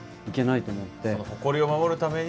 その誇りを守るために。